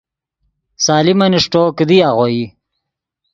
سلیمن اݰٹو، کیدی آغوئی